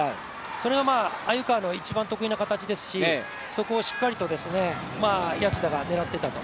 それが鮎川の一番得意な形ですしそこを、しっかりと谷内田が狙っていったと。